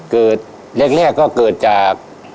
เกิดแรกก็เกิดจาก